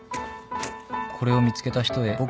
「これを見つけた人へ」